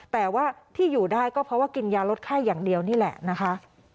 แต่ว่าที่อยู่ได้ก็เพราะว่ากินยาลดไข้อย่างเดียวนี่แหละนะคะ